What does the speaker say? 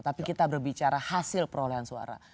tapi kita berbicara hasil perolehan suara